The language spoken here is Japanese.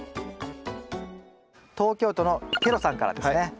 東京都のｋｅｒｏさんからですね。